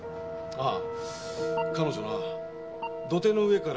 ああ。